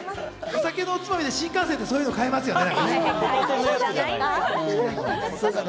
お酒のおつまみで、新幹線でそういうの買えますよね。